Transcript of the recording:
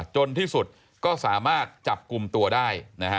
จนที่สุดก็สามารถจับกลุ่มตัวได้